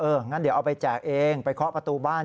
งั้นเดี๋ยวเอาไปแจกเองไปเคาะประตูบ้าน